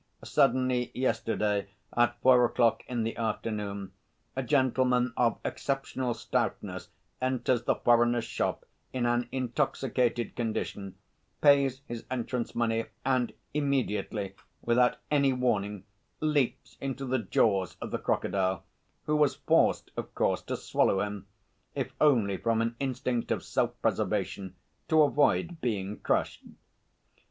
Suddenly yesterday at four o'clock in the afternoon a gentleman of exceptional stoutness enters the foreigner's shop in an intoxicated condition, pays his entrance money, and immediately without any warning leaps into the jaws of the crocodile, who was forced, of course, to swallow him, if only from an instinct of self preservation, to avoid being crushed.